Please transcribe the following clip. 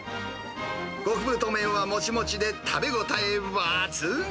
極太麺はもちもちで、食べ応え抜群。